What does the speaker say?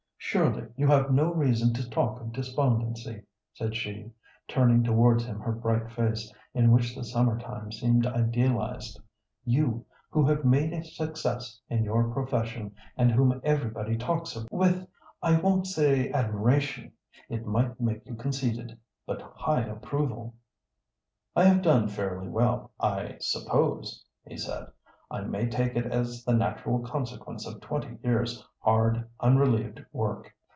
"Surely you have no reason to talk of despondency," said she, turning towards him her bright face, in which the summer time seemed idealised. "You, who have made a success in your profession, and whom everybody talks of with—with, I won't say admiration, it might make you conceited—but high approval." "I have done fairly well, I suppose," he said. "I may take it as the natural consequence of twenty years' hard, unrelieved work.